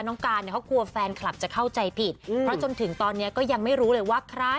การเนี่ยเขากลัวแฟนคลับจะเข้าใจผิดเพราะจนถึงตอนนี้ก็ยังไม่รู้เลยว่าใคร